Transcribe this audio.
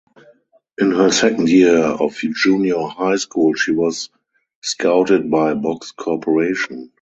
In her second year of junior high school she was scouted by Box Corporation.